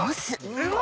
うわ！